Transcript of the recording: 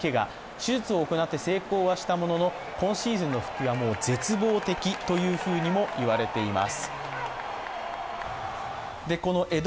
手術を行って成功はしたものの今シーズンの復帰は絶望的とも言われています。